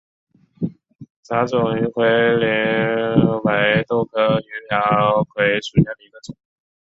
杂种鱼鳔槐为豆科鱼鳔槐属下的一个种。